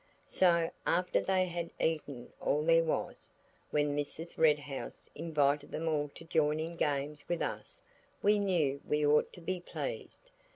So, after they had eaten all there was, when Mrs. Red House invited them all to join in games with us we knew we ought to be pleased.